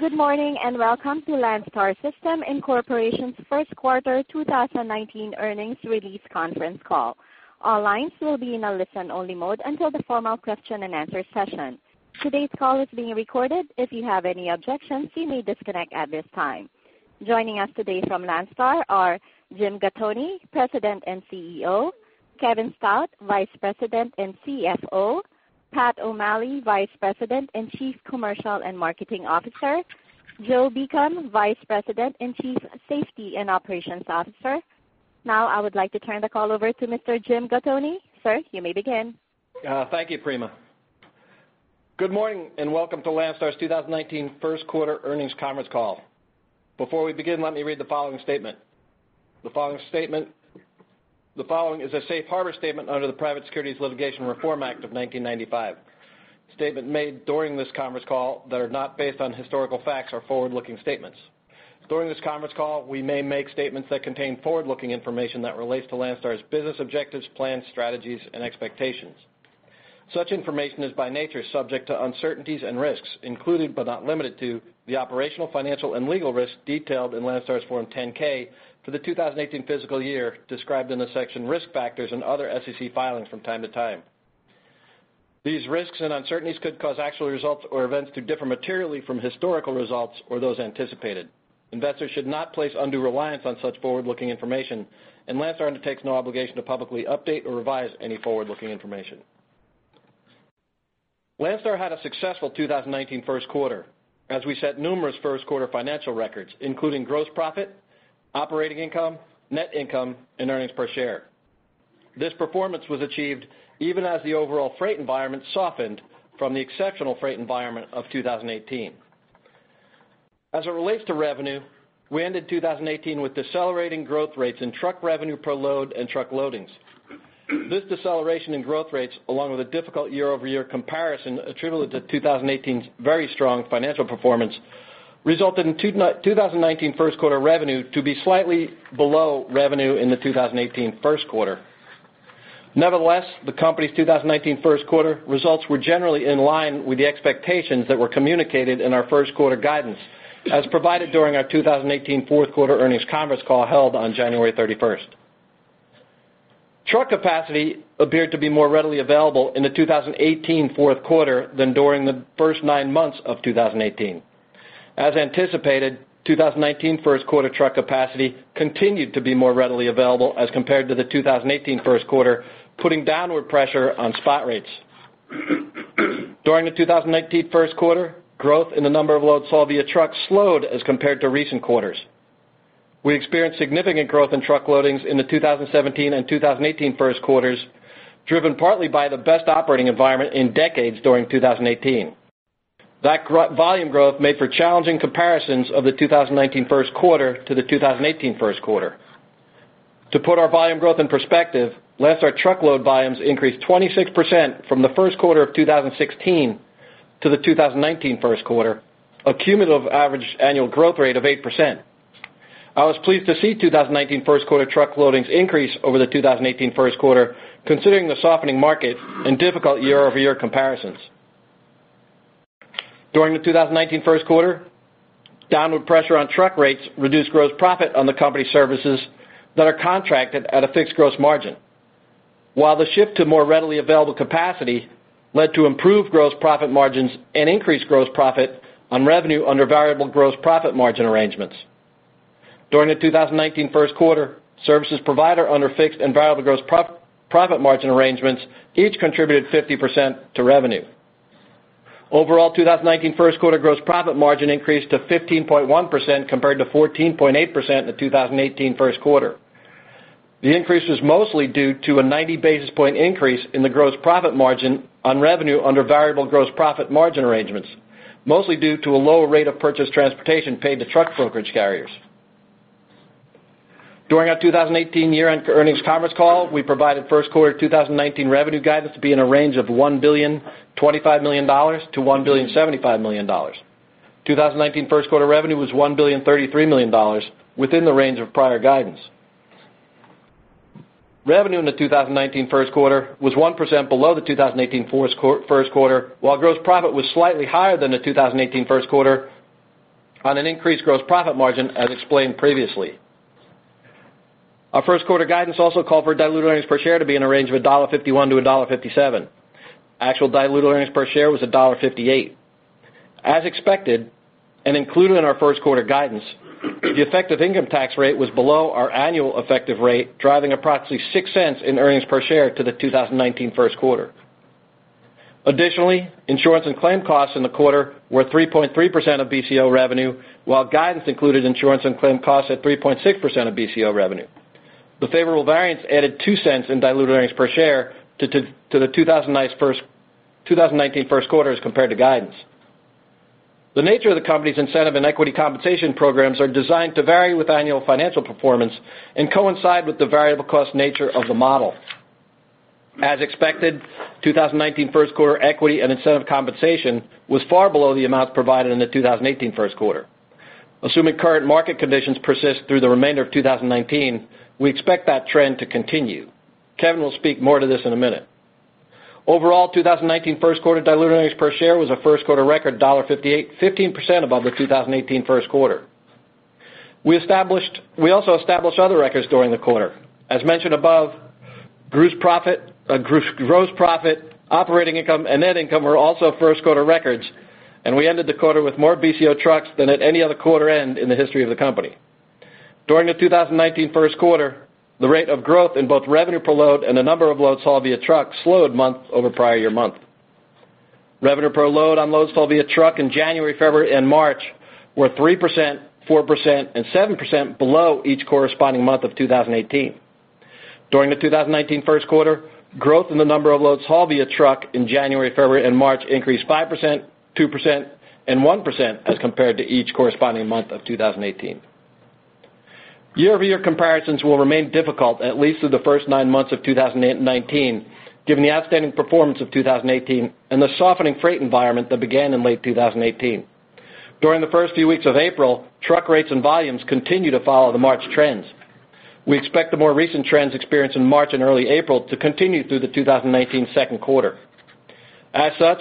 Good morning, and welcome to Landstar System, Inc.'s First Quarter 2019 Earnings Release Conference Call. All lines will be in a listen-only mode until the formal question-and-answer session. Today's call is being recorded. If you have any objections, you may disconnect at this time. Joining us today from Landstar are Jim Gattoni, President and CEO, Kevin Stout, Vice President and CFO, Pat O'Malley, Vice President and Chief Commercial and Marketing Officer, Joe Beacom, Vice President and Chief Safety and Operations Officer. Now, I would like to turn the call over to Mr. Jim Gattoni. Sir, you may begin. Thank you, Prima. Good morning, and welcome to Landstar's 2019 first quarter earnings conference call. Before we begin, let me read the following statement. The following statement... The following is a safe harbor statement under the Private Securities Litigation Reform Act of 1995. Statements made during this conference call that are not based on historical facts are forward-looking statements. During this conference call, we may make statements that contain forward-looking information that relates to Landstar's business objectives, plans, strategies, and expectations. Such information is, by nature, subject to uncertainties and risks, including, but not limited to, the operational, financial, and legal risks detailed in Landstar's Form 10-K for the 2018 fiscal year, described in the section Risk Factors and other SEC filings from time to time. These risks and uncertainties could cause actual results or events to differ materially from historical results or those anticipated. Investors should not place undue reliance on such forward-looking information, and Landstar undertakes no obligation to publicly update or revise any forward-looking information. Landstar had a successful 2019 first quarter, as we set numerous first-quarter financial records, including gross profit, operating income, net income, and earnings per share. This performance was achieved even as the overall freight environment softened from the exceptional freight environment of 2018. As it relates to revenue, we ended 2018 with decelerating growth rates in truck revenue per load and truck loadings. This deceleration in growth rates, along with a difficult year-over-year comparison, attributable to 2018's very strong financial performance, resulted in 2019 first quarter revenue to be slightly below revenue in the 2018 first quarter. Nevertheless, the company's 2019 first quarter results were generally in line with the expectations that were communicated in our first quarter guidance, as provided during our 2018 fourth quarter earnings conference call held on January 31. Truck capacity appeared to be more readily available in the 2018 fourth quarter than during the first nine months of 2018. As anticipated, 2019 first quarter truck capacity continued to be more readily available as compared to the 2018 first quarter, putting downward pressure on spot rates. During the 2019 first quarter, growth in the number of loads sold via truck slowed as compared to recent quarters. We experienced significant growth in truck loadings in the 2017 and 2018 first quarters, driven partly by the best operating environment in decades during 2018. That volume growth made for challenging comparisons of the 2019 first quarter to the 2018 first quarter. To put our volume growth in perspective, Landstar truckload volumes increased 26% from the first quarter of 2016 to the 2019 first quarter, a cumulative average annual growth rate of 8%. I was pleased to see 2019 first quarter truck loadings increase over the 2018 first quarter, considering the softening market and difficult year-over-year comparisons. During the 2019 first quarter, downward pressure on truck rates reduced gross profit on the company's services that are contracted at a fixed gross margin. While the shift to more readily available capacity led to improved gross profit margins and increased gross profit on revenue under variable gross profit margin arrangements. During the 2019 first quarter, services provided under fixed and variable gross profit margin arrangements each contributed 50% to revenue. Overall, 2019 first quarter gross profit margin increased to 15.1%, compared to 14.8% in the 2018 first quarter. The increase was mostly due to a 90 basis point increase in the gross profit margin on revenue under variable gross profit margin arrangements, mostly due to a lower rate of purchased transportation paid to truck brokerage carriers. During our 2018 year-end earnings conference call, we provided first quarter 2019 revenue guidance to be in a range of $1.025 billion-$1.075 billion. 2019 first quarter revenue was $1.033 billion, within the range of prior guidance. Revenue in the 2019 first quarter was 1% below the 2018 first quarter, while gross profit was slightly higher than the 2018 first quarter on an increased gross profit margin, as explained previously. Our first quarter guidance also called for diluted earnings per share to be in a range of $1.51-$1.57. Actual diluted earnings per share was $1.58. As expected, and included in our first quarter guidance, the effective income tax rate was below our annual effective rate, driving approximately $0.06 in earnings per share to the 2019 first quarter. Additionally, insurance and claim costs in the quarter were 3.3% of BCO revenue, while guidance included insurance and claim costs at 3.6% of BCO revenue. The favorable variance added $0.02 in diluted earnings per share to the 2009 first- 2019 first quarter as compared to guidance. The nature of the company's incentive and equity compensation programs are designed to vary with annual financial performance and coincide with the variable cost nature of the model. As expected, 2019 first quarter equity and incentive compensation was far below the amounts provided in the 2018 first quarter. Assuming current market conditions persist through the remainder of 2019, we expect that trend to continue. Kevin will speak more to this in a minute. Overall, 2019 first quarter diluted earnings per share was a first quarter record, $1.58, 15% above the 2018 first quarter. We also established other records during the quarter. As mentioned above, gross profit, operating income, and net income were also first quarter records, and we ended the quarter with more BCO trucks than at any other quarter end in the history of the company. During the 2019 first quarter, the rate of growth in both revenue per load and the number of loads hauled via truck slowed month-over-month prior year. Revenue per load on loads hauled via truck in January, February, and March were 3%, 4%, and 7% below each corresponding month of 2018. During the 2019 first quarter, growth in the number of loads hauled via truck in January, February, and March increased 5%, 2%, and 1% as compared to each corresponding month of 2018. Year-over-year comparisons will remain difficult at least through the first nine months of 2018-2019, given the outstanding performance of 2018 and the softening freight environment that began in late 2018. During the first few weeks of April, truck rates and volumes continued to follow the March trends. We expect the more recent trends experienced in March and early April to continue through the 2019 second quarter. As such,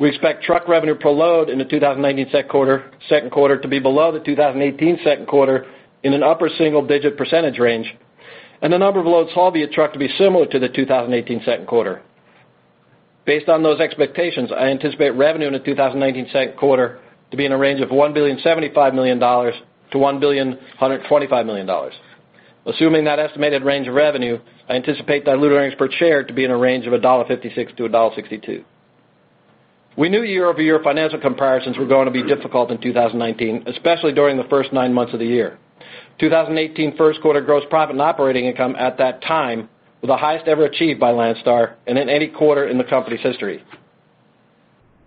we expect truck revenue per load in the 2019 second quarter, second quarter to be below the 2018 second quarter in an upper single-digit percentage range, and the number of loads hauled via truck to be similar to the 2018 second quarter. Based on those expectations, I anticipate revenue in the 2019 second quarter to be in a range of $1.075 billion-$1.125 billion. Assuming that estimated range of revenue, I anticipate dilutive earnings per share to be in a range of $1.56-$1.62. We knew year-over-year financial comparisons were going to be difficult in 2019, especially during the first nine months of the year. 2018 first quarter gross profit and operating income, at that time, was the highest ever achieved by Landstar and in any quarter in the company's history.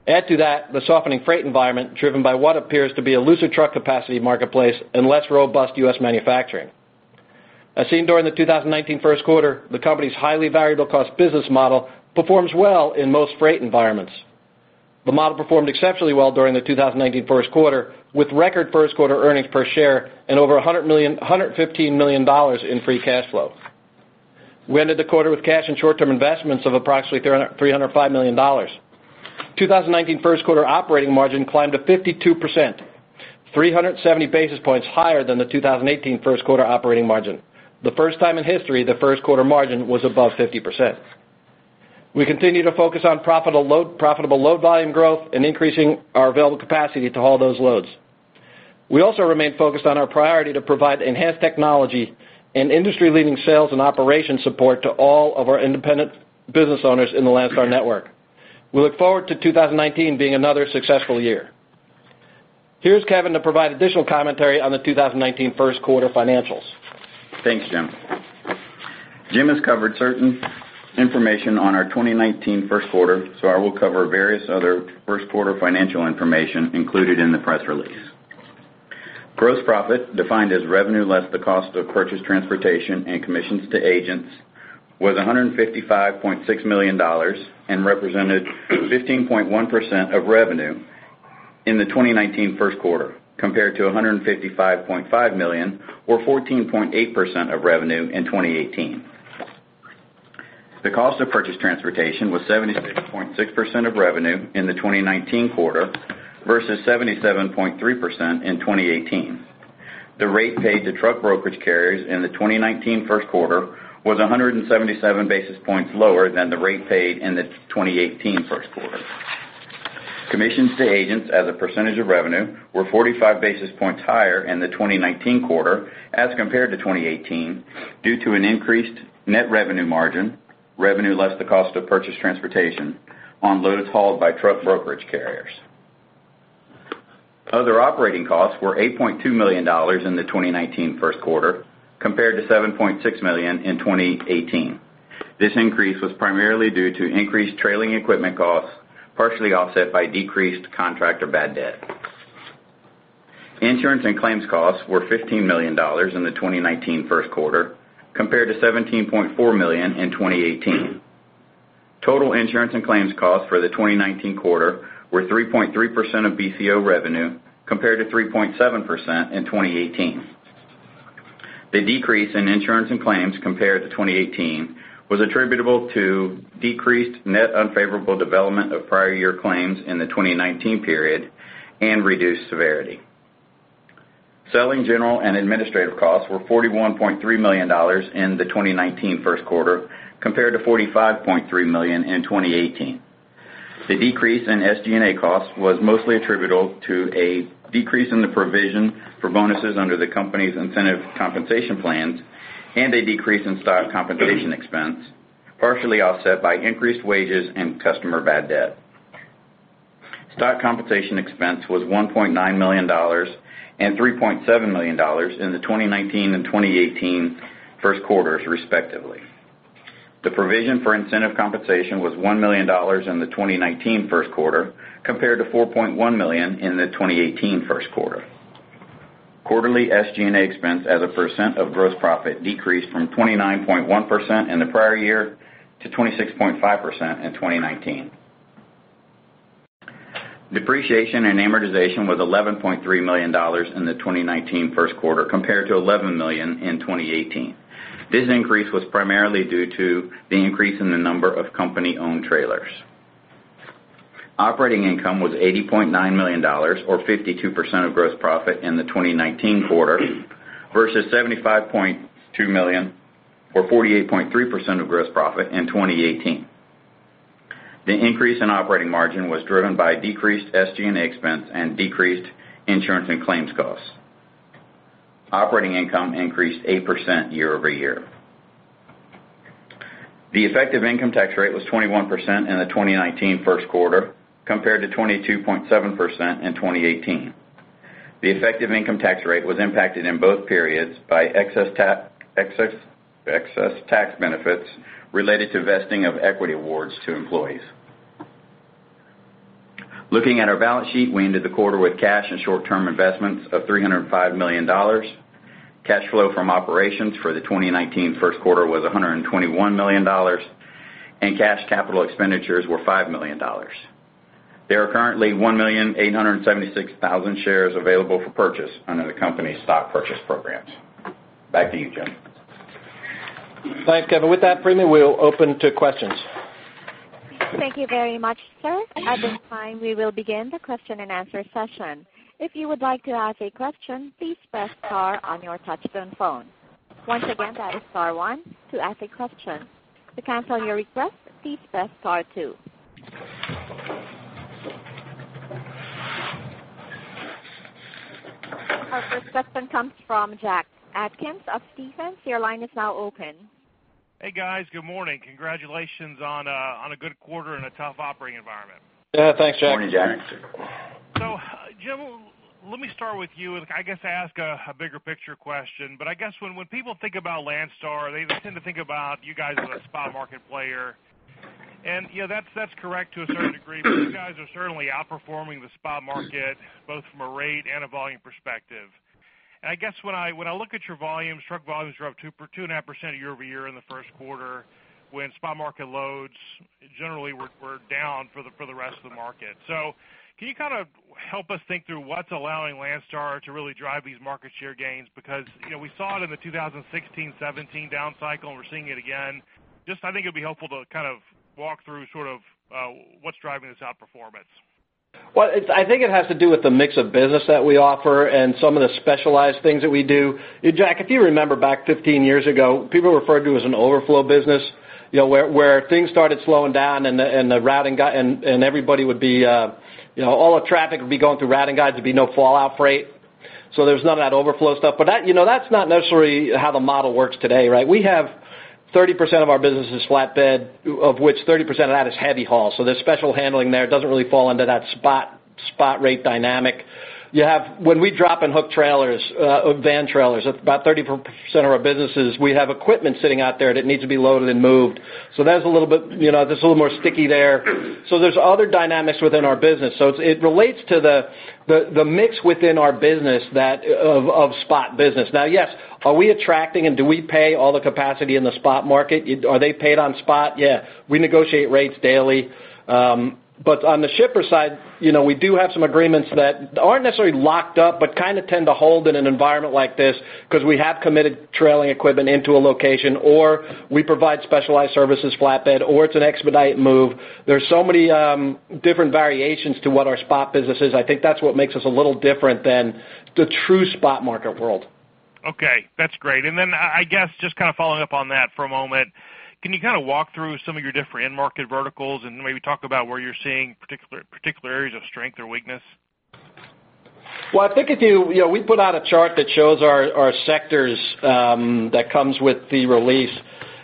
Add to that, the softening freight environment, driven by what appears to be a looser truck capacity marketplace and less robust U.S. manufacturing. As seen during the 2019 first quarter, the company's highly variable cost business model performs well in most freight environments. The model performed exceptionally well during the 2019 first quarter, with record first quarter earnings per share and $115 million in free cash flow. We ended the quarter with cash and short-term investments of approximately $305 million. 2019 first quarter operating margin climbed to 52%, 370 basis points higher than the 2018 first quarter operating margin. The first time in history, the first quarter margin was above 50%. We continue to focus on profitable load, profitable load volume growth and increasing our available capacity to haul those loads. We also remain focused on our priority to provide enhanced technology and industry-leading sales and operation support to all of our independent business owners in the Landstar network. We look forward to 2019 being another successful year. Here's Kevin to provide additional commentary on the 2019 first quarter financials. Thanks, Jim. Jim has covered certain information on our 2019 first quarter, so I will cover various other first quarter financial information included in the press release. Gross profit, defined as revenue less the cost of purchased transportation and commissions to agents, was $155.6 million and represented 15.1% of revenue in the 2019 first quarter, compared to $155.5 million, or 14.8% of revenue in 2018. The cost of purchased transportation was 76.6% of revenue in the 2019 quarter versus 77.3% in 2018. The rate paid to truck brokerage carriers in the 2019 first quarter was 177 basis points lower than the rate paid in the 2018 first quarter. Commissions to agents as a percentage of revenue were 45 basis points higher in the 2019 quarter as compared to 2018, due to an increased net revenue margin, revenue less the cost of purchased transportation on loads hauled by truck brokerage carriers. Other operating costs were $8.2 million in the 2019 first quarter, compared to $7.6 million in 2018. This increase was primarily due to increased trailing equipment costs, partially offset by decreased contractor bad debt. Insurance and claims costs were $15 million in the 2019 first quarter, compared to $17.4 million in 2018. Total insurance and claims costs for the 2019 quarter were 3.3% of BCO revenue, compared to 3.7% in 2018. The decrease in insurance and claims compared to 2018 was attributable to decreased net unfavorable development of prior year claims in the 2019 period and reduced severity. Selling, general, and administrative costs were $41.3 million in the 2019 first quarter, compared to $45.3 million in 2018. The decrease in SG&A costs was mostly attributable to a decrease in the provision for bonuses under the company's incentive compensation plans and a decrease in stock compensation expense, partially offset by increased wages and customer bad debt. Stock compensation expense was $1.9 million and $3.7 million in the 2019 and 2018 first quarters, respectively. The provision for incentive compensation was $1 million in the 2019 first quarter, compared to $4.1 million in the 2018 first quarter. Quarterly SG&A expense as a percent of gross profit decreased from 29.1% in the prior year to 26.5% in 2019. ...Depreciation and amortization was $11.3 million in the 2019 first quarter, compared to $11 million in 2018. This increase was primarily due to the increase in the number of company-owned trailers. Operating income was $80.9 million, or 52% of gross profit in the 2019 quarter, versus $75.2 million, or 48.3% of gross profit in 2018. The increase in operating margin was driven by decreased SG&A expense and decreased insurance and claims costs. Operating income increased 8% year-over-year. The effective income tax rate was 21% in the 2019 first quarter, compared to 22.7% in 2018. The effective income tax rate was impacted in both periods by excess tax benefits related to vesting of equity awards to employees. Looking at our balance sheet, we ended the quarter with cash and short-term investments of $305 million. Cash flow from operations for the 2019 first quarter was $121 million, and cash capital expenditures were $5 million. There are currently 1,876,000 shares available for purchase under the company's stock purchase programs. Back to you, Jim. Thanks, Kevin. With that, Prima, we'll open to questions. Thank you very much, sir. At this time, we will begin the question-and-answer session. If you would like to ask a question, please press star on your touchtone phone. Once again, that is star one to ask a question. To cancel your request, please press star two. Our first question comes from Jack Atkins of Stephens. Your line is now open. Hey, guys, good morning. Congratulations on, on a good quarter in a tough operating environment. Yeah, thanks, Jack. Morning, Jack. So Jim, let me start with you, and I guess ask a bigger picture question. But I guess when people think about Landstar, they tend to think about you guys as a Spot Market player, and, you know, that's correct to a certain degree, but you guys are certainly outperforming the Spot Market, both from a rate and a volume perspective. And I guess when I look at your volumes, truck volumes are up 2%-2.5% year-over-year in the first quarter, when Spot Market loads generally were down for the rest of the market. So can you kind of help us think through what's allowing Landstar to really drive these market share gains? Because, you know, we saw it in the 2016-2017 down cycle, and we're seeing it again. I think it'd be helpful to kind of walk through sort of what's driving this outperformance. Well, it's. I think it has to do with the mix of business that we offer and some of the specialized things that we do. Jack, if you remember back 15 years ago, people referred to it as an overflow business, you know, where things started slowing down and the routing guy and everybody would be, you know, all the traffic would be going through routing guides, there'd be no fallout freight, so there's none of that overflow stuff. But that, you know, that's not necessarily how the model works today, right? We have 30% of our business is flatbed, of which 30% of that is heavy haul, so there's special handling there. It doesn't really fall under that spot rate dynamic. You have... When we drop and hook trailers, van trailers, about 30% of our businesses, we have equipment sitting out there that needs to be loaded and moved. So that's a little bit, you know, that's a little more sticky there. So there's other dynamics within our business. So it relates to the mix within our business of spot business. Now, yes, are we attracting and do we pay all the capacity in the spot market? Are they paid on spot? Yeah, we negotiate rates daily. But on the shipper side, you know, we do have some agreements that aren't necessarily locked up, but kind of tend to hold in an environment like this because we have committed trailing equipment into a location, or we provide specialized services, flatbed, or it's an expedite move. There are so many, different variations to what our spot business is. I think that's what makes us a little different than the true spot market world. Okay, that's great. And then I, I guess, just kind of following up on that for a moment, can you kind of walk through some of your different end market verticals and maybe talk about where you're seeing particular, particular areas of strength or weakness? Well, I think if you... You know, we put out a chart that shows our sectors that comes with the release,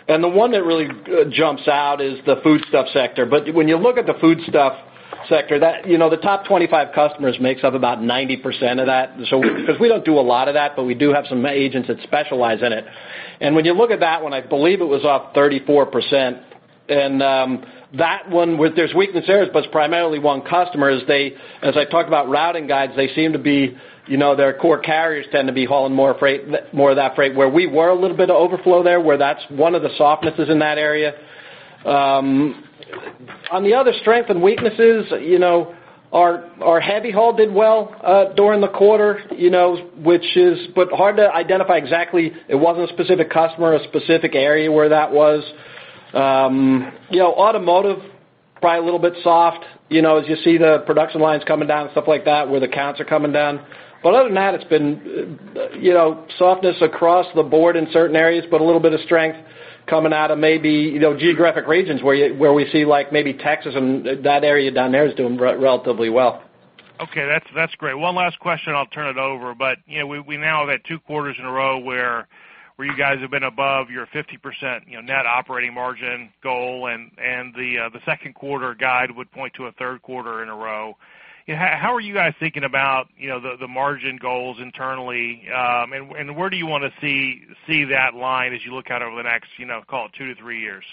and the one that really jumps out is the foodstuff sector. But when you look at the foodstuff sector, that, you know, the top 25 customers makes up about 90% of that. So because we don't do a lot of that, but we do have some agents that specialize in it. And when you look at that one, I believe it was up 34%. And that one, there's weakness areas, but it's primarily one customer, as I talked about routing guides, they seem to be, you know, their core carriers tend to be hauling more freight, more of that freight, where we were a little bit of overflow there, where that's one of the softnesses in that area. On the other strength and weaknesses, you know, our, our heavy haul did well during the quarter, you know, which is but hard to identify exactly. It wasn't a specific customer or a specific area where that was. You know, automotive, probably a little bit soft, you know, as you see the production lines coming down and stuff like that, where the counts are coming down. But other than that, it's been, you know, softness across the board in certain areas, but a little bit of strength coming out of maybe, you know, geographic regions where you where we see, like maybe Texas and that area down there is doing relatively well. Okay, that's great. One last question, and I'll turn it over. But, you know, we now have had two quarters in a row where you guys have been above your 50% net operating margin goal, and the second quarter guide would point to a third quarter in a row. How are you guys thinking about the margin goals internally? And where do you want to see that line as you look out over the next, you know, call it two to three years?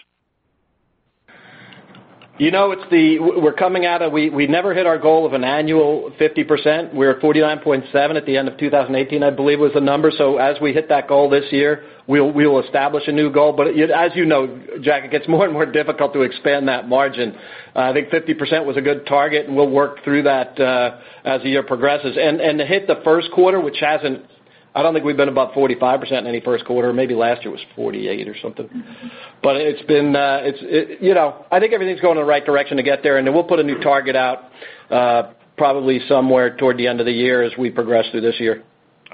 You know, it's the—we never hit our goal of an annual 50%. We're at 49.7% at the end of 2018, I believe was the number. So as we hit that goal this year, we'll establish a new goal. But as you know, Jack, it gets more and more difficult to expand that margin. I think 50% was a good target, and we'll work through that as the year progresses. And to hit the first quarter, which hasn't—I don't think we've been above 45% in any first quarter. Maybe last year was 48% or something. But it's been, you know, I think everything's going in the right direction to get there, and then we'll put a new target out, probably somewhere toward the end of the year as we progress through this year.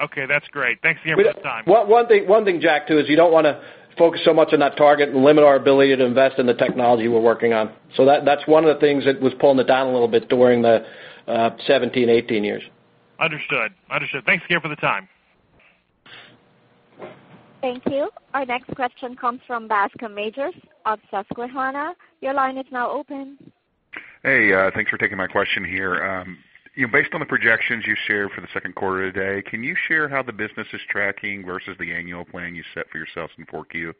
Okay, that's great. Thanks again for the time. One thing, Jack, too, is you don't want to focus so much on that target and limit our ability to invest in the technology we're working on. So that's one of the things that was pulling it down a little bit during the 2017, 2018 years. Understood. Understood. Thanks again for the time. Thank you. Our next question comes from Bascome Majors of Susquehanna. Your line is now open. Hey, thanks for taking my question here. You know, based on the projections you shared for the second quarter today, can you share how the business is tracking versus the annual plan you set for yourselves in 4Q?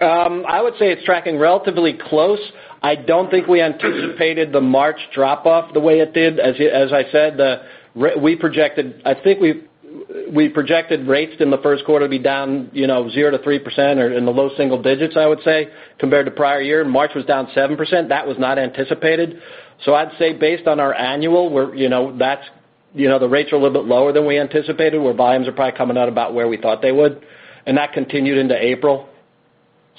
I would say it's tracking relatively close. I don't think we anticipated the March drop off the way it did. As I said, we projected-- I think we projected rates in the first quarter to be down, you know, 0%-3% or in the low single digits, I would say, compared to prior year. March was down 7%. That was not anticipated. So I'd say based on our annual, we're, you know, that's, you know, the rates are a little bit lower than we anticipated, where volumes are probably coming out about where we thought they would, and that continued into April.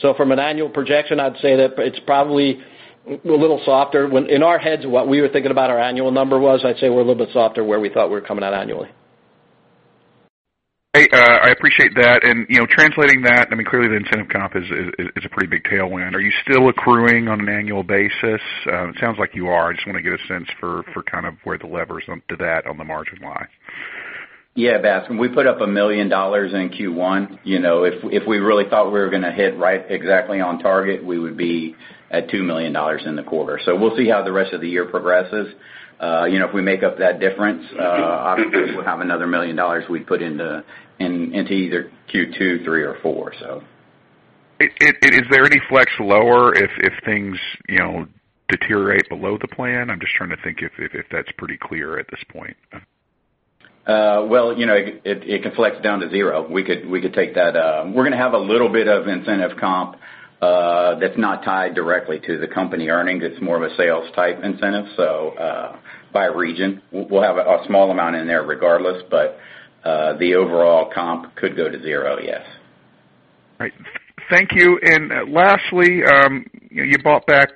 So from an annual projection, I'd say that it's probably a little softer. When, in our heads, what we were thinking about our annual number was, I'd say we're a little bit softer where we thought we were coming out annually. Hey, I appreciate that. And, you know, translating that, I mean, clearly the incentive comp is a pretty big tailwind. Are you still accruing on an annual basis? It sounds like you are. I just want to get a sense for kind of where the levers on to that on the margin lie. Yeah, Bascome, we put up $1 million in Q1. You know, if we really thought we were going to hit right exactly on target, we would be at $2 million in the quarter. So we'll see how the rest of the year progresses. You know, if we make up that difference, obviously, we'll have another $1 million we put into either Q2, Q3, or Q4, so. Is there any flex lower if things, you know, deteriorate below the plan? I'm just trying to think if that's pretty clear at this point. Well, you know, it can flex down to zero. We could take that. We're going to have a little bit of incentive comp that's not tied directly to the company earnings. It's more of a sales type incentive, so by region. We'll have a small amount in there regardless, but the overall comp could go to zero, yes. Great. Thank you. And lastly, you bought back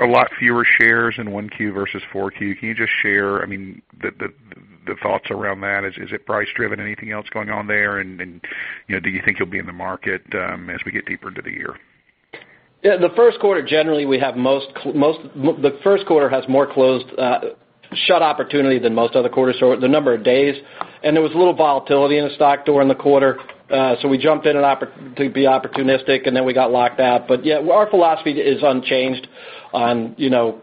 a lot fewer shares in 1Q versus 4Q. Can you just share, I mean, the thoughts around that? Is it price driven? Anything else going on there? And you know, do you think you'll be in the market as we get deeper into the year? Yeah, the first quarter, generally, we have most—the first quarter has more closed, shut opportunity than most other quarters, so the number of days, and there was a little volatility in the stock during the quarter, so we jumped in an opportunity to be opportunistic, and then we got locked out. But yeah, our philosophy is unchanged on, you know,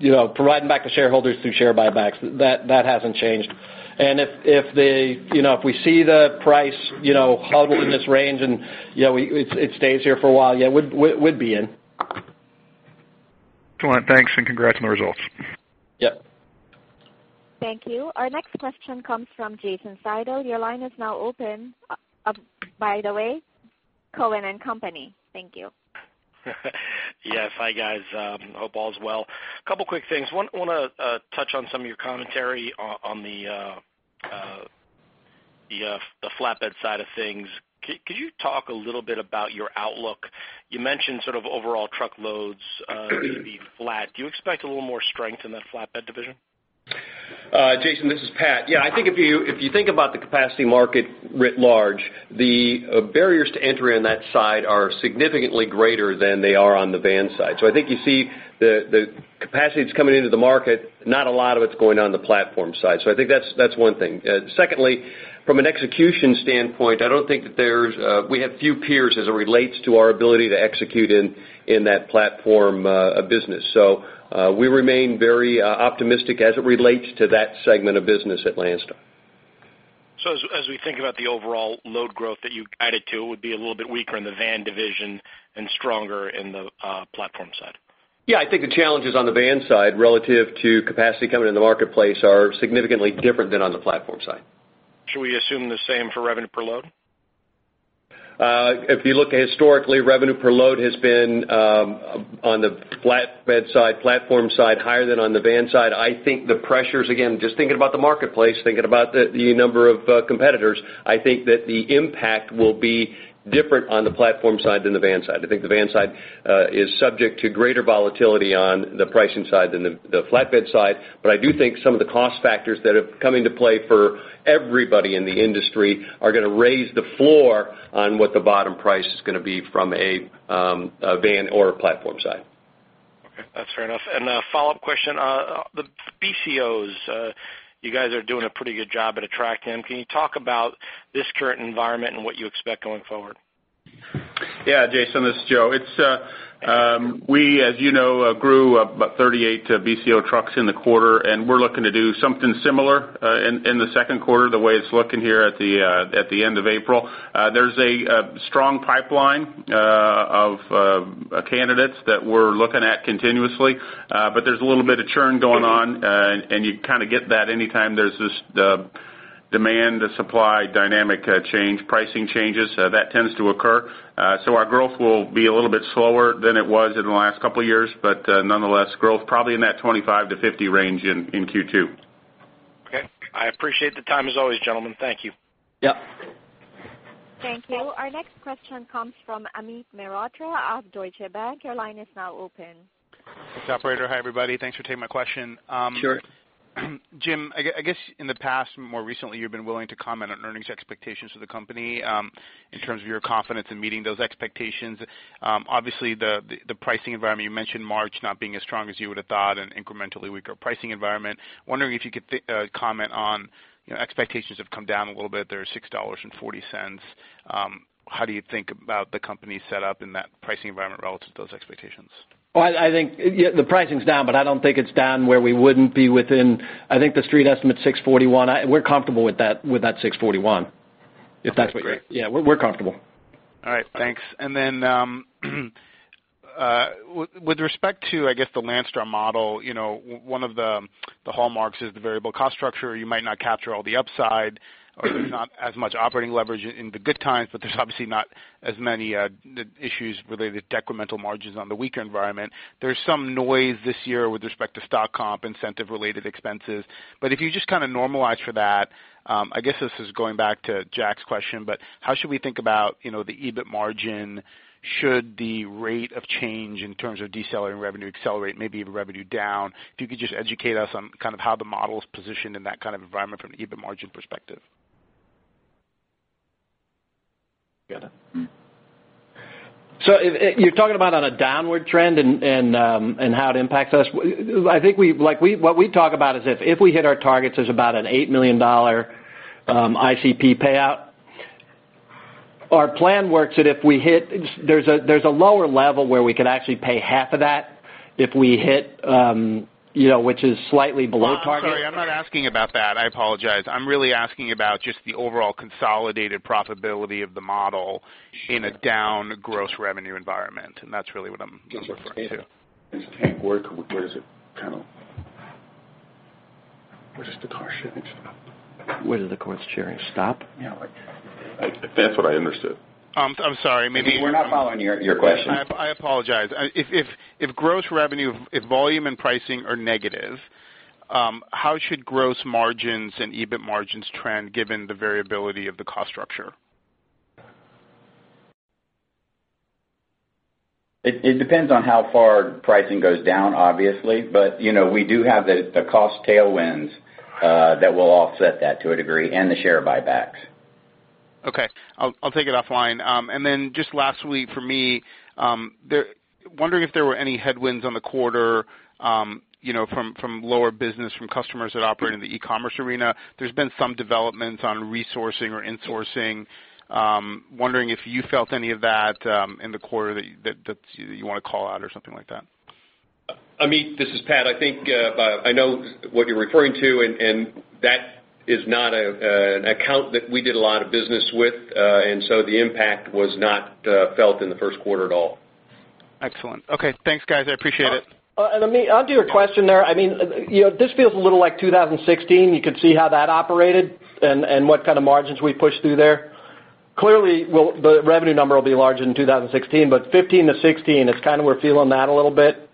you know, providing back to shareholders through share buybacks. That, that hasn't changed. And if, if the, you know, if we see the price, you know, hug in this range and, you know, we, it's, it stays here for a while, yeah, we'd, we'd, we'd be in. Excellent. Thanks, and congrats on the results. Yep. Thank you. Our next question comes from Jason Seidl. Your line is now open. By the way, Cowen and Company. Thank you. Yes. Hi, guys. Hope all is well. A couple quick things. One, want to touch on some of your commentary on the flatbed side of things. Could you talk a little bit about your outlook? You mentioned sort of overall truckloads, maybe flat. Do you expect a little more strength in that flatbed division? Jason, this is Pat. Yeah, I think if you think about the capacity market writ large, the barriers to entry on that side are significantly greater than they are on the van side. So I think you see the capacity that's coming into the market, not a lot of it's going on the platform side. So I think that's one thing. Secondly, from an execution standpoint, I don't think that there's we have few peers as it relates to our ability to execute in that platform business. So we remain very optimistic as it relates to that segment of business at Landstar. So as we think about the overall load growth that you guided to, it would be a little bit weaker in the van division and stronger in the platform side? Yeah, I think the challenges on the van side, relative to capacity coming in the marketplace, are significantly different than on the platform side. Should we assume the same for revenue per load? If you look historically, revenue per load has been on the flatbed side, platform side, higher than on the van side. I think the pressures, again, just thinking about the marketplace, thinking about the number of competitors, I think that the impact will be different on the platform side than the van side. I think the van side is subject to greater volatility on the pricing side than the flatbed side. But I do think some of the cost factors that have come into play for everybody in the industry are going to raise the floor on what the bottom price is going to be from a van or a platform side. Okay, that's fair enough. A follow-up question, the BCOs, you guys are doing a pretty good job at attracting them. Can you talk about this current environment and what you expect going forward? Yeah, Jason, this is Joe. It's, we, as you know, grew about 38 BCO trucks in the quarter, and we're looking to do something similar in the second quarter, the way it's looking here at the end of April. There's a strong pipeline of candidates that we're looking at continuously, but there's a little bit of churn going on, and you kind of get that anytime there's this the demand to supply dynamic change, pricing changes that tends to occur. So our growth will be a little bit slower than it was in the last couple of years, but nonetheless, growth probably in that 25-50 range in Q2. Okay. I appreciate the time as always, gentlemen. Thank you. Yep.... Thank you. Our next question comes from Amit Mehrotra of Deutsche Bank. Your line is now open. Thanks, operator. Hi, everybody. Thanks for taking my question. Sure. Jim, I guess in the past, more recently, you've been willing to comment on earnings expectations for the company, in terms of your confidence in meeting those expectations. Obviously, the pricing environment, you mentioned March not being as strong as you would have thought and incrementally weaker pricing environment. Wondering if you could comment on, you know, expectations have come down a little bit. They're $6.40. How do you think about the company set up in that pricing environment relative to those expectations? Well, I think, yeah, the pricing's down, but I don't think it's down where we wouldn't be within... I think the street estimate $641. We're comfortable with that, with that $641, if that's what- Great. Yeah, we're comfortable. All right, thanks. And then, with respect to, I guess, the Landstar model, you know, one of the hallmarks is the variable cost structure. You might not capture all the upside, or there's not as much operating leverage in the good times, but there's obviously not as many the issues related to decremental margins on the weaker environment. There's some noise this year with respect to stock comp, incentive-related expenses. But if you just kind of normalize for that, I guess this is going back to Jack's question, but how should we think about, you know, the EBIT margin should the rate of change in terms of decelerating revenue accelerate, maybe even revenue down? If you could just educate us on kind of how the model is positioned in that kind of environment from an EBIT margin perspective. You got that? Mm-hmm. So if you're talking about a downward trend and how it impacts us? I think we—like, we, what we talk about is if we hit our targets, there's about an $8 million ICP payout. Our plan works that if we hit, there's a lower level where we could actually pay $4 million if we hit, you know, which is slightly below target. I'm sorry, I'm not asking about that. I apologize. I'm really asking about just the overall consolidated profitability of the model- Sure. in a down gross revenue environment, and that's really what I'm referring to. It can't work. Where does it kind of... Where does the car shipping stop? Where does the cost sharing stop? Yeah, like, that's what I understood. I'm sorry, maybe- We're not following your question. I apologize. If gross revenue, if volume and pricing are negative, how should gross margins and EBIT margins trend given the variability of the cost structure? It depends on how far pricing goes down, obviously, but, you know, we do have the cost tailwinds that will offset that to a degree, and the share buybacks. Okay. I'll take it offline. And then just lastly, for me, wondering if there were any headwinds on the quarter, you know, from lower business from customers that operate in the e-commerce arena. There's been some developments on resourcing or insourcing. Wondering if you felt any of that, in the quarter that you want to call out or something like that? Amit, this is Pat. I think I know what you're referring to, and that is not an account that we did a lot of business with, and so the impact was not felt in the first quarter at all. Excellent. Okay, thanks, guys. I appreciate it. Amit, onto your question there, I mean, you know, this feels a little like 2016. You could see how that operated and what kind of margins we pushed through there. Clearly, well, the revenue number will be larger in 2016, but 15 to 16, it's kind of we're feeling that a little bit.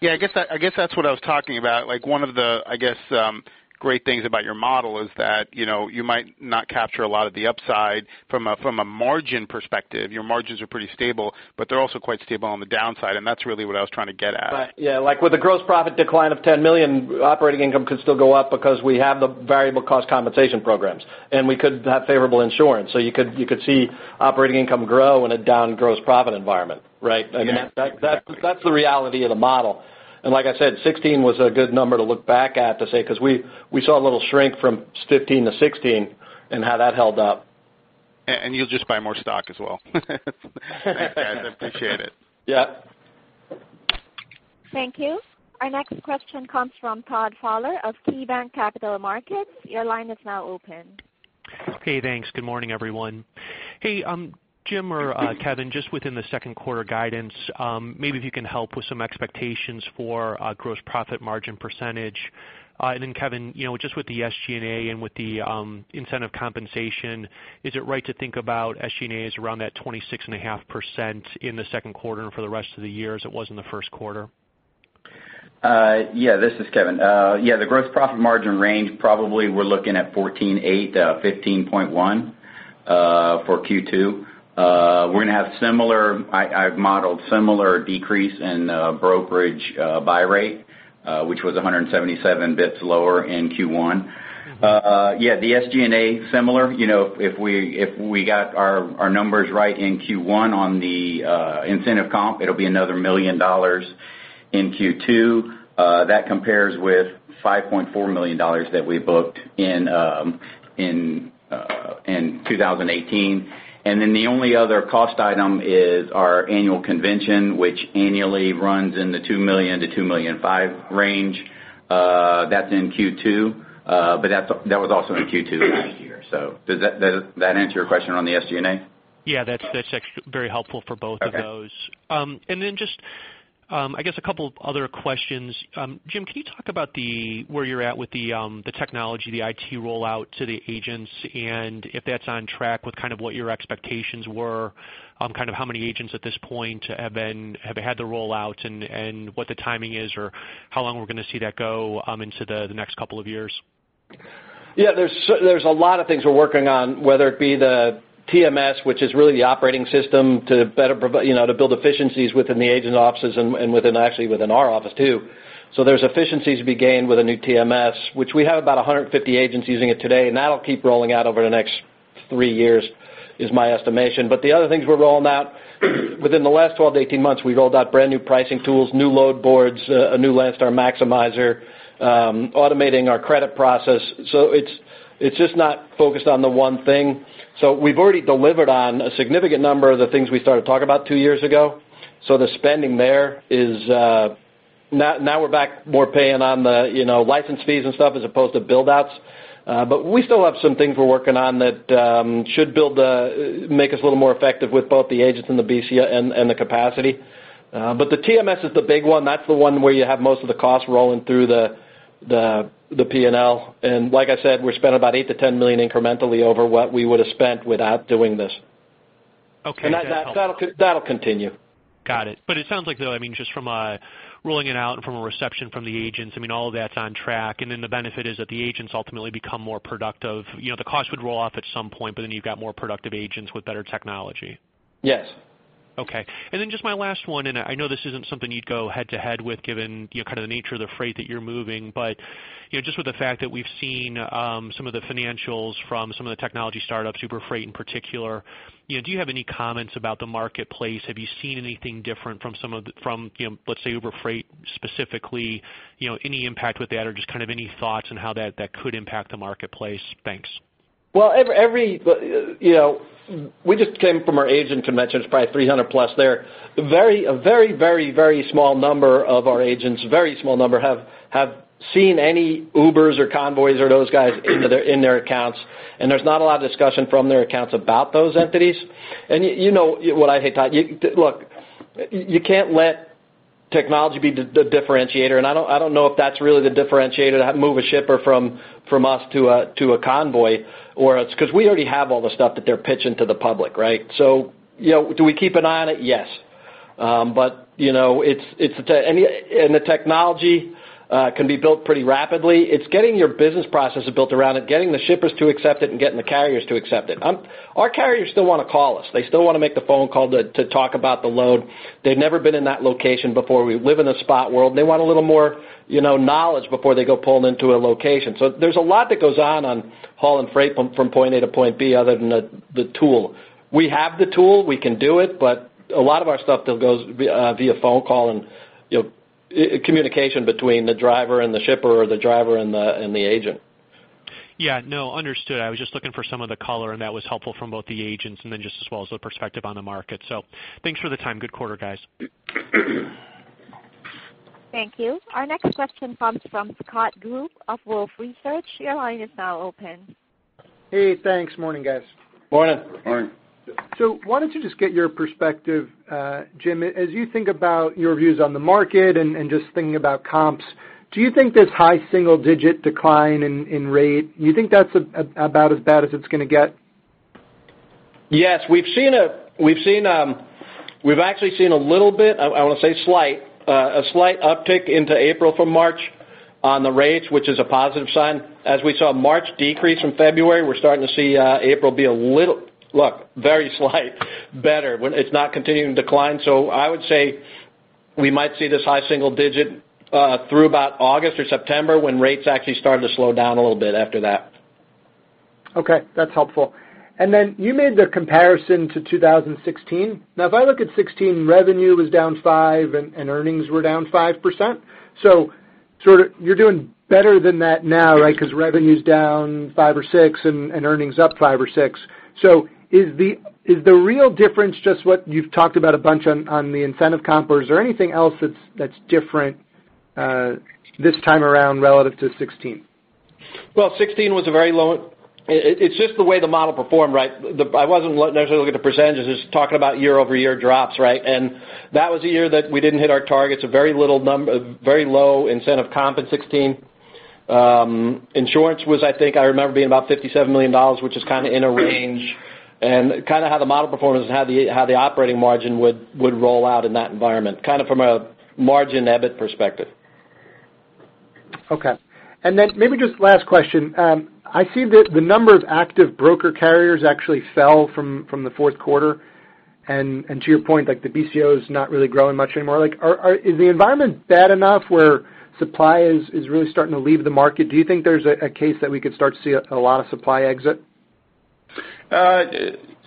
Yeah, I guess that, I guess that's what I was talking about. Like, one of the, I guess, great things about your model is that, you know, you might not capture a lot of the upside from a, from a margin perspective. Your margins are pretty stable, but they're also quite stable on the downside, and that's really what I was trying to get at. Right. Yeah, like with a gross profit decline of $10 million, operating income could still go up because we have the variable cost compensation programs, and we could have favorable insurance. So you could, you could see operating income grow in a down gross profit environment, right? Yeah. I mean, that's the reality of the model. And like I said, 16 was a good number to look back at to say, because we saw a little shrink from 15 to 16 and how that held up. And you'll just buy more stock as well. Thanks, guys. I appreciate it. Yeah. Thank you. Our next question comes from Todd Fowler of KeyBanc Capital Markets. Your line is now open. Okay, thanks. Good morning, everyone. Hey, Jim or Kevin, just within the second quarter guidance, maybe if you can help with some expectations for gross profit margin percentage. And then, Kevin, you know, just with the SG&A and with the incentive compensation, is it right to think about SG&A as around that 26.5% in the second quarter and for the rest of the year, as it was in the first quarter? Yeah, this is Kevin. Yeah, the gross profit margin range, probably we're looking at 14.8%-15.1% for Q2. We're gonna have similar... I've modeled similar decrease in brokerage buy rate, which was 177 basis points lower in Q1. Yeah, the SG&A, similar. You know, if we got our numbers right in Q1 on the incentive comp, it'll be another $1 million in Q2. That compares with $5.4 million that we booked in 2018. And then the only other cost item is our annual convention, which annually runs in the $2 million-$2.5 million range. That's in Q2, but that was also in Q2 last year. So does that answer your question on the SG&A? Yeah, that's, that's actually very helpful for both of those. Okay. And then just, I guess a couple other questions. Jim, can you talk about the, where you're at with the, the technology, the IT rollout to the agents, and if that's on track with kind of what your expectations were, kind of how many agents at this point have been—have had the rollout and, and what the timing is, or how long we're gonna see that go, into the, the next couple of years?... Yeah, there's a lot of things we're working on, whether it be the TMS, which is really the operating system to better provide, you know, to build efficiencies within the agent offices and within, actually within our office, too. So there's efficiencies to be gained with a new TMS, which we have about 150 agents using it today, and that'll keep rolling out over the next three years, is my estimation. But the other things we're rolling out, within the last 12-18 months, we rolled out brand new pricing tools, new load boards, a new Landstar Maximizer, automating our credit process. So it's just not focused on the one thing. So we've already delivered on a significant number of the things we started talking about two years ago. So the spending there is, now we're back more paying on the, you know, license fees and stuff, as opposed to build outs. But we still have some things we're working on that should make us a little more effective with both the agents and the BCO and the capacity. But the TMS is the big one. That's the one where you have most of the costs rolling through the P&L. And like I said, we spent about $8 million-$10 million incrementally over what we would have spent without doing this. Okay. And that, that'll continue. Got it. But it sounds like, though, I mean, just from a rolling it out and from a reception from the agents, I mean, all of that's on track, and then the benefit is that the agents ultimately become more productive. You know, the cost would roll off at some point, but then you've got more productive agents with better technology. Yes. Okay. And then just my last one, and I know this isn't something you'd go head-to-head with, given, you know, kind of the nature of the freight that you're moving, but, you know, just with the fact that we've seen some of the financials from some of the technology startups, Uber Freight in particular, you know, do you have any comments about the marketplace? Have you seen anything different from, you know, let's say, Uber Freight specifically, you know, any impact with that or just kind of any thoughts on how that could impact the marketplace? Thanks. Well, every, you know, we just came from our agent convention. It's probably 300+ there. A very, very, very small number of our agents, very small number, have seen any Ubers or Convoys or those guys in their accounts, and there's not a lot of discussion from their accounts about those entities. And you know what I think, Todd, you look, you can't let technology be the differentiator, and I don't know if that's really the differentiator to move a shipper from us to a Convoy, or it's because we already have all the stuff that they're pitching to the public, right? So, you know, do we keep an eye on it? Yes. But, you know, it's the technology and the technology can be built pretty rapidly. It's getting your business processes built around it, getting the shippers to accept it, and getting the carriers to accept it. Our carriers still want to call us. They still want to make the phone call to talk about the load. They've never been in that location before. We live in a spot world. They want a little more, you know, knowledge before they go pulling into a location. So there's a lot that goes on hauling freight from point A to point B, other than the tool. We have the tool, we can do it, but a lot of our stuff still goes via phone call and, you know, communication between the driver and the shipper or the driver and the agent. Yeah, no, understood. I was just looking for some of the color, and that was helpful from both the agents and then just as well as the perspective on the market. So thanks for the time. Good quarter, guys. Thank you. Our next question comes from Scott Group of Wolfe Research. Your line is now open. Hey, thanks. Morning, guys. Morning. Morning. Wanted to just get your perspective, Jim. As you think about your views on the market and just thinking about comps, do you think this high single digit decline in rate, you think that's about as bad as it's going to get? Yes, we've seen, we've actually seen a little bit. I want to say slight, a slight uptick into April from March on the rates, which is a positive sign. As we saw March decrease from February, we're starting to see April be a little... Look, very slight, better, when it's not continuing to decline. So I would say we might see this high single digit through about August or September, when rates actually start to slow down a little bit after that. Okay, that's helpful. Then you made the comparison to 2016. Now, if I look at 2016, revenue was down 5 and, and earnings were down 5%. Sort of you're doing better than that now, right? Yes. Because revenue's down 5 or 6 and earnings up 5 or 6. So is the real difference just what you've talked about a bunch on the incentive comp, or is there anything else that's different this time around relative to 2016? Well, 2016 was a very low... It's just the way the model performed, right? I wasn't necessarily looking at the percentages, just talking about year-over-year drops, right? And that was a year that we didn't hit our targets, a very low incentive comp in 2016. Insurance was, I think I remember, being about $57 million, which is kind of in a range, and kind of how the model performance and how the operating margin would roll out in that environment, kind of from a margin EBIT perspective. Okay. And then maybe just last question. I see that the number of active broker carriers actually fell from the fourth quarter, and to your point, like, the BCO is not really growing much anymore. Like, is the environment bad enough where supply is really starting to leave the market? Do you think there's a case that we could start to see a lot of supply exit?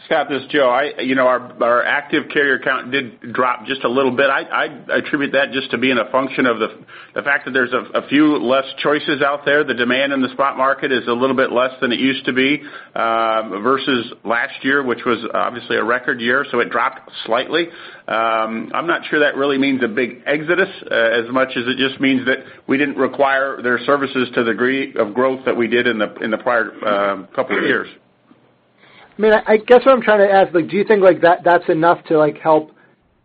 Scott, this is Joe. You know, our active carrier count did drop just a little bit. I attribute that just to being a function of the fact that there's a few less choices out there. The demand in the spot market is a little bit less than it used to be versus last year, which was obviously a record year, so it dropped slightly. I'm not sure that really means a big exodus as much as it just means that we didn't require their services to the degree of growth that we did in the prior couple of years. I mean, I guess what I'm trying to ask, like, do you think like that, that's enough to, like, help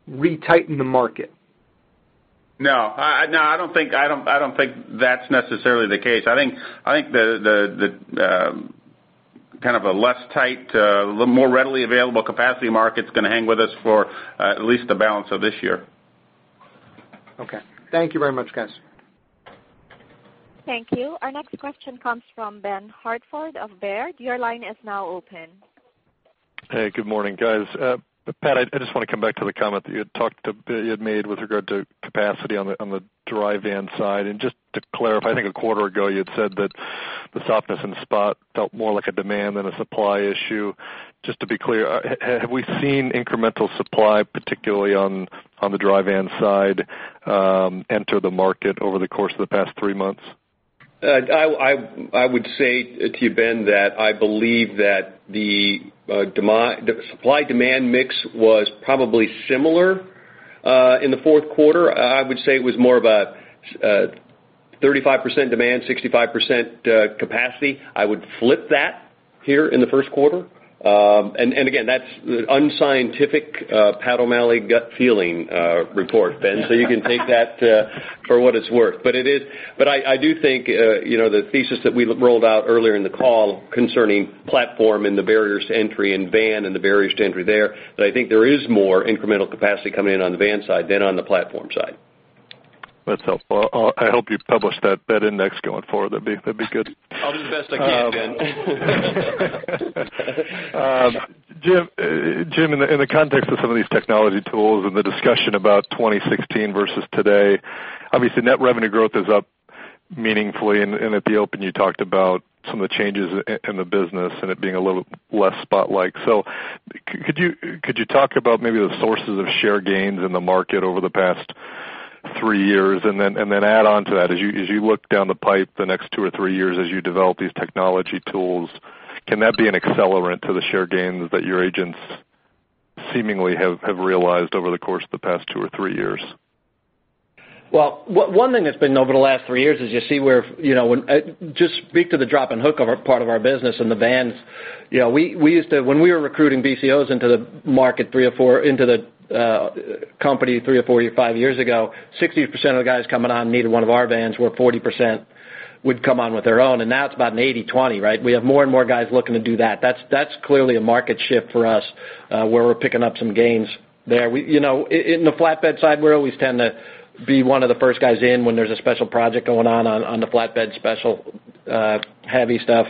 retighten the market? No. No, I don't think that's necessarily the case. I think the kind of a less tight, little more readily available capacity market's going to hang with us for at least the balance of this year. Okay. Thank you very much, guys. Thank you. Our next question comes from Ben Hartford of Baird. Your line is now open. Hey, good morning, guys. Pat, I just want to come back to the comment that you had talked to, that you had made with regard to capacity on the, on the dry van side. Just to clarify, I think a quarter ago, you had said that the softness in the spot felt more like a demand than a supply issue. Just to be clear, have we seen incremental supply, particularly on, on the dry van side, enter the market over the course of the past three months? I would say to you, Ben, that I believe that the demand-supply mix was probably similar in the fourth quarter. I would say it was more of a 35% demand, 65% capacity. I would flip that here in the first quarter. And again, that's unscientific, Pat O'Malley gut feeling report, Ben. So you can take that for what it's worth. But I do think, you know, the thesis that we rolled out earlier in the call concerning platform and the barriers to entry, and van and the barriers to entry there, that I think there is more incremental capacity coming in on the van side than on the platform side. That's helpful. I hope you publish that index going forward. That'd be good. I'll do the best I can, Ben. Jim, Jim, in the context of some of these technology tools and the discussion about 2016 versus today, obviously, net revenue growth is up meaningfully, and at the open, you talked about some of the changes in the business and it being a little less spot-like. So could you talk about maybe the sources of share gains in the market over the past three years? And then add on to that, as you look down the pipe, the next two or three years as you develop these technology tools, can that be an accelerant to the share gains that your agents seemingly have realized over the course of the past two or three years? Well, one thing that's been over the last three years is you see where, you know, when just speak to the drop and hook of our, part of our business and the vans. You know, we, we used to, when we were recruiting BCOs into the market, three or four, into the company three or four or five years ago, 60% of the guys coming on needed one of our vans, where 40% would come on with their own, and now it's about an 80-20, right? We have more and more guys looking to do that. That's clearly a market shift for us, where we're picking up some gains there. We, you know, in the flatbed side, we always tend to be one of the first guys in when there's a special project going on, on the flatbed special, heavy stuff.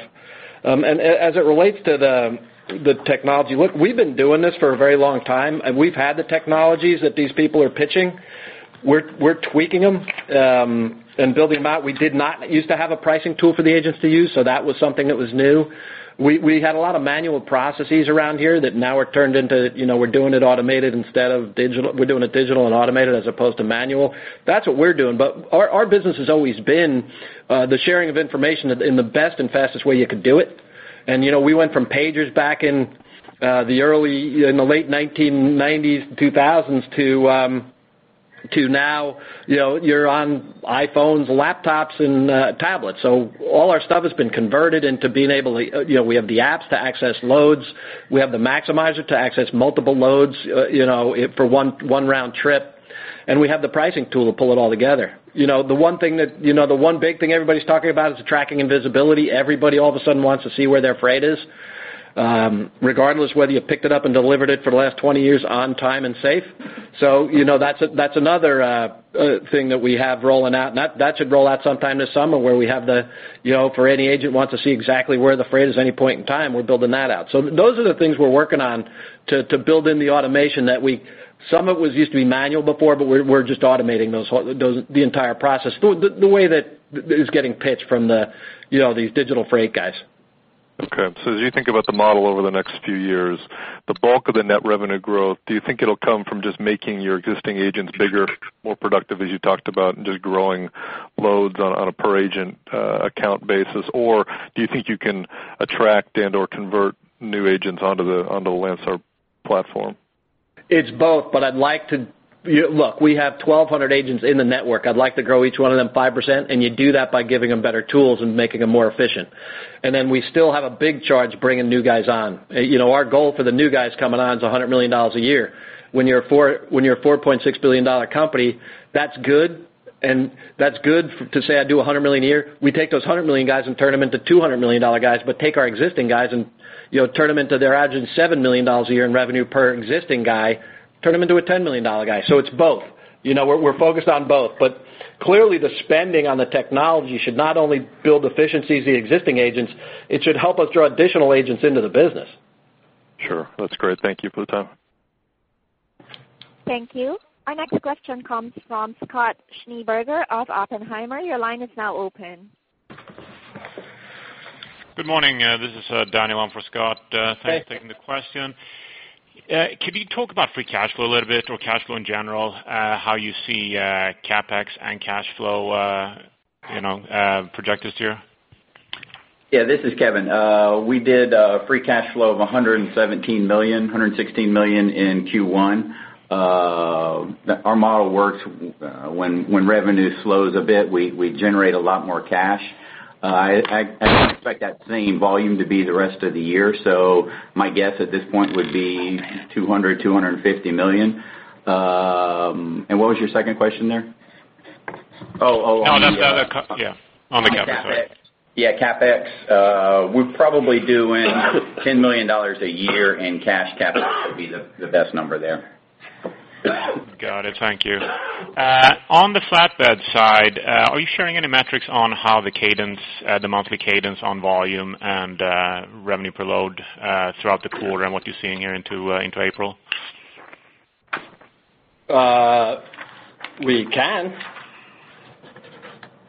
And as it relates to the technology, look, we've been doing this for a very long time, and we've had the technologies that these people are pitching. We're tweaking them, and building them out. We did not used to have a pricing tool for the agents to use, so that was something that was new. We had a lot of manual processes around here that now are turned into, you know, we're doing it automated instead of digital. We're doing it digital and automated as opposed to manual. That's what we're doing. But our business has always been the sharing of information in the best and fastest way you could do it. And, you know, we went from pagers back in the late 1990s, 2000s to now, you know, you're on iPhones, laptops, and tablets. So all our stuff has been converted into being able to, you know, we have the apps to access loads. We have the Maximizer to access multiple loads, you know, it for one round trip, and we have the pricing tool to pull it all together. You know, the one thing that, you know, the one big thing everybody's talking about is the tracking and visibility. Everybody all of a sudden wants to see where their freight is, regardless whether you picked it up and delivered it for the last 20 years on time and safe. So, you know, that's another thing that we have rolling out, and that should roll out sometime this summer, where we have, you know, for any agent who wants to see exactly where the freight is any point in time, we're building that out. So those are the things we're working on to build in the automation that we—some of it used to be manual before, but we're just automating those, the entire process. The way that is getting pitched from the, you know, these digital freight guys. Okay. So as you think about the model over the next few years, the bulk of the net revenue growth, do you think it'll come from just making your existing agents bigger, more productive, as you talked about, and just growing loads on a per agent account basis? Or do you think you can attract and/or convert new agents onto the Landstar platform? It's both, but I'd like to... You know, look, we have 1,200 agents in the network. I'd like to grow each one of them 5%, and you do that by giving them better tools and making them more efficient. And then we still have a big charge bringing new guys on. You know, our goal for the new guys coming on is $100 million a year. When you're a four, when you're a four point six billion dollar company, that's good, and that's good to say, I do $100 million a year. We take those $100 million guys and turn them into $200 million dollar guys, but take our existing guys and, you know, turn them into they're averaging $7 million a year in revenue per existing guy, turn them into a $10 million dollar guy. So it's both. You know, we're focused on both. But clearly, the spending on the technology should not only build efficiencies of the existing agents, it should help us draw additional agents into the business. Sure. That's great. Thank you for the time. Thank you. Our next question comes from Scott Schneeberger of Oppenheimer. Your line is now open. Good morning. This is Daniel in for Scott. Hey. Thanks for taking the question. Could you talk about free cash flow a little bit, or cash flow in general? How you see CapEx and cash flow, you know, projected here? Yeah, this is Kevin. We did free cash flow of $117 million, $116 million in Q1. Our model works when revenue slows a bit, we generate a lot more cash. I don't expect that same volume to be the rest of the year, so my guess at this point would be $200-$250 million. And what was your second question there?... Oh, oh, oh, yeah, on the CapEx. Yeah, CapEx, we're probably doing $10 million a year in cash CapEx would be the best number there. Got it. Thank you. On the flatbed side, are you sharing any metrics on how the cadence, the monthly cadence on volume and revenue per load, throughout the quarter and what you're seeing here into April? We can.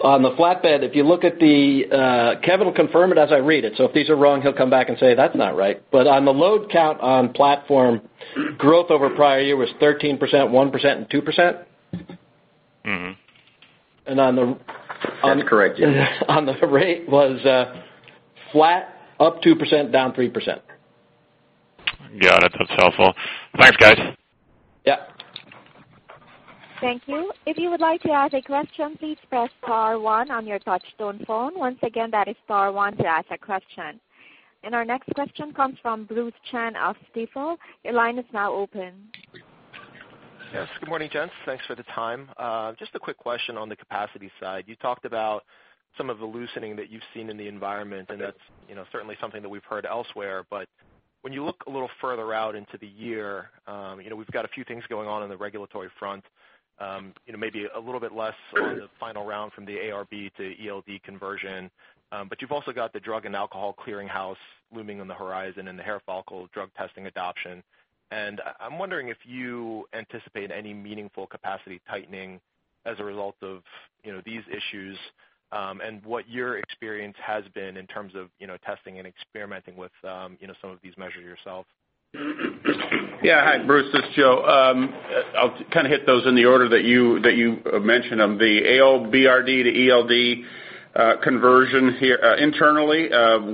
On the flatbed, if you look at the, Kevin will confirm it as I read it, so if these are wrong, he'll come back and say, "That's not right." But on the load count on platform, growth over prior year was 13%, 1%, and 2%. Mm-hmm. And on the- That's correct. On the rate was flat, up 2%, down 3%. Got it. That's helpful. Thanks, guys. Yeah. Thank you. If you would like to ask a question, please press star one on your touchtone phone. Once again, that is star one to ask a question. And our next question comes from Bruce Chan of Stifel. Your line is now open. Yes, good morning, gents. Thanks for the time. Just a quick question on the capacity side. You talked about some of the loosening that you've seen in the environment, and that's, you know, certainly something that we've heard elsewhere. But when you look a little further out into the year, you know, we've got a few things going on in the regulatory front. You know, maybe a little bit less on the final round from the AOBRD to ELD conversion. But you've also got the Drug and Alcohol Clearinghouse looming on the horizon and the hair follicle drug testing adoption. And I'm wondering if you anticipate any meaningful capacity tightening as a result of, you know, these issues, and what your experience has been in terms of, you know, testing and experimenting with, you know, some of these measures yourself. Yeah, hi, Bruce, this is Joe. I'll kind of hit those in the order that you, that you mentioned them. The AOBRD to ELD conversion here, internally,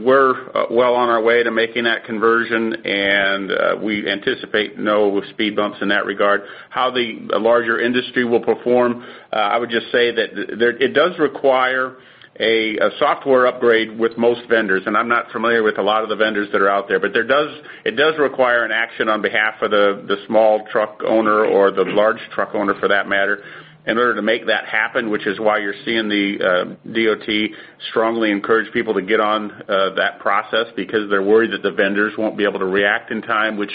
we're well on our way to making that conversion, and we anticipate no speed bumps in that regard. How the larger industry will perform, I would just say that there... It does require a software upgrade with most vendors, and I'm not familiar with a lot of the vendors that are out there, but it does require an action on behalf of the small truck owner or the large truck owner, for that matter, in order to make that happen, which is why you're seeing the DOT strongly encourage people to get on that process, because they're worried that the vendors won't be able to react in time, which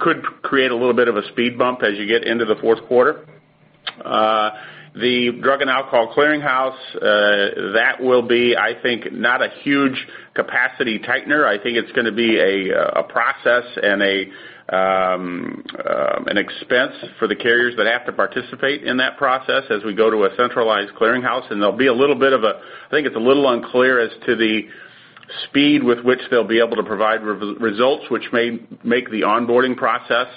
could create a little bit of a speed bump as you get into the fourth quarter. The Drug and Alcohol Clearinghouse that will be, I think, not a huge capacity tightener. I think it's gonna be a process and an expense for the carriers that have to participate in that process as we go to a centralized clearinghouse, and there'll be a little bit of a... I think it's a little unclear as to the speed with which they'll be able to provide results, which may make the onboarding process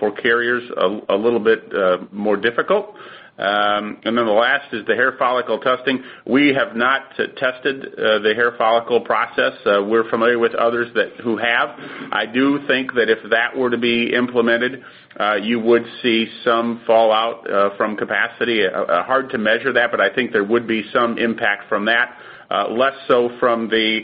for carriers a little bit more difficult. And then the last is the hair follicle testing. We have not tested the hair follicle process. We're familiar with others that who have. I do think that if that were to be implemented, you would see some fallout from capacity. Hard to measure that, but I think there would be some impact from that, less so from the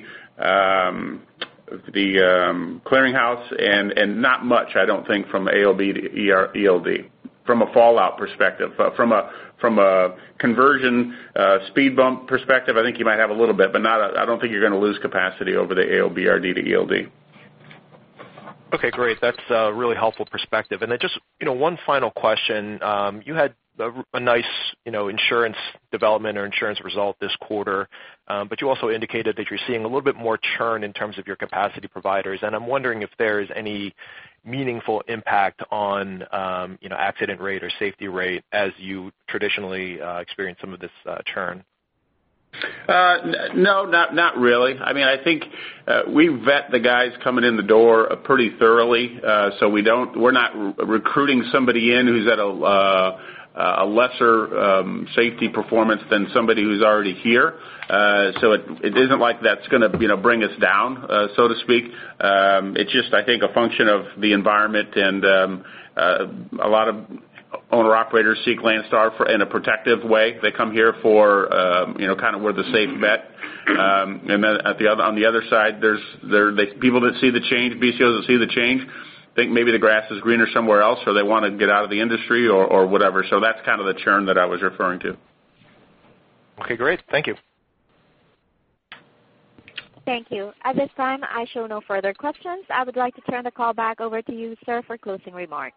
clearinghouse and not much, I don't think, from AOBRD to ELD, from a fallout perspective. From a conversion speed bump perspective, I think you might have a little bit, but not a... I don't think you're gonna lose capacity over the AOBRD to ELD. Okay, great. That's a really helpful perspective. And then just, you know, one final question. You had a nice, you know, insurance development or insurance result this quarter, but you also indicated that you're seeing a little bit more churn in terms of your capacity providers. And I'm wondering if there is any meaningful impact on, you know, accident rate or safety rate as you traditionally experience some of this churn? No, not really. I mean, I think, we vet the guys coming in the door pretty thoroughly, so we don't, we're not recruiting somebody in who's at a, a lesser, safety performance than somebody who's already here. So it isn't like that's gonna, you know, bring us down, so to speak. It's just, I think, a function of the environment and, a lot of owner-operators seek Landstar for, in a protective way. They come here for, you know, kind of we're the safe bet. And then at the other, on the other side, there's, the people that see the change, BCOs that see the change, think maybe the grass is greener somewhere else, or they want to get out of the industry or whatever. So that's kind of the churn that I was referring to. Okay, great. Thank you. Thank you. At this time, I show no further questions. I would like to turn the call back over to you, sir, for closing remarks.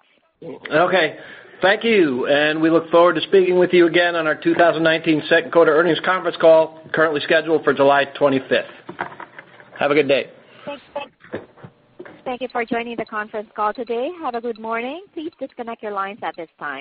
Okay, thank you, and we look forward to speaking with you again on our 2019 second quarter earnings conference call, currently scheduled for July 25. Have a good day. Thanks. Thank you for joining the conference call today. Have a good morning. Please disconnect your lines at this time.